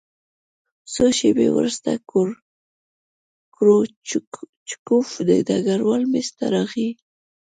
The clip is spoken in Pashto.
څو شېبې وروسته کروچکوف د ډګروال مېز ته راغی